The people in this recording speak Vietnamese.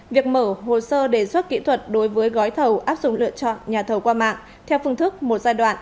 việc mở hồ sơ đề xuất kỹ thuật đối với gói thầu áp dụng lựa chọn nhà thầu qua mạng theo phương thức một giai đoạn